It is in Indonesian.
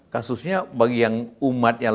kasusnya bagi yang umat yang